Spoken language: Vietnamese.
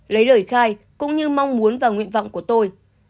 lấy lời khai cũng như mong muốn và nguyện vọng của tôi